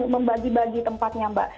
membagi bagi tempatnya mbak